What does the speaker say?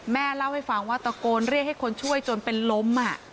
แม่เล่าให้ฟังว่าตะโกนเรียกให้คนช่วยจนเป็นล้ม